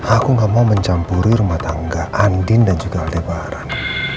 aku gak mau mencampuri rumah tangga andin dan juga ada baharan